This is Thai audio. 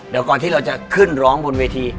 เดี๋ยวก่อนที่เราจะขึ้นร้องบนเวที